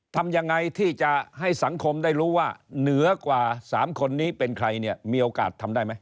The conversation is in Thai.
ทำยังไงที่จะให้สังคมได้รู้ว่าเหนือกว่า๓คนนี้เป็นใครเนี่ยมีโอกาสทำได้ไหม